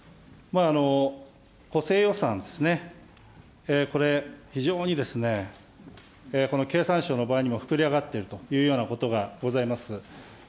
補正予算ですね、これ非常にこの経産省の場合にも膨れ上がっているというようなことがございます。